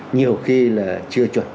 nhiều khi là chưa chuẩn